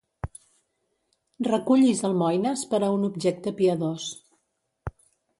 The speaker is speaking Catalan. Recullis almoines per a un objecte piadós.